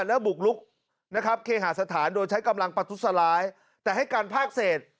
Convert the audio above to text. และบุกลุกนะครับเคหาสถานโดยใช้กำลังประทุษร้ายแต่ให้การภาคเศษ